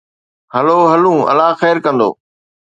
هلو هلون، الله خير ڪندو.